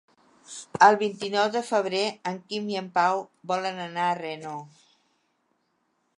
El vint-i-nou de febrer en Quim i en Pau volen anar a Renau.